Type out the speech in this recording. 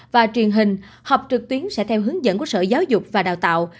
và truyền hình học trực tuyến sẽ theo hướng dẫn của sở giáo dục và đào tạo